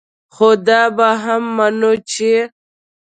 خو دا به هم منو چې